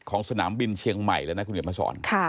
สนามบินเชียงใหม่แล้วนะคุณเขียนมาสอน